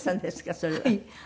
それは。